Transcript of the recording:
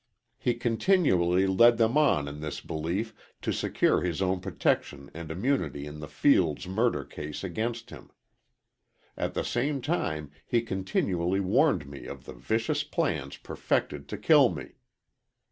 "He continually led them on in this belief to secure his own protection and immunity in the Fields murder case against him. At the same time he continually warned me of the various plans perfected to kill me.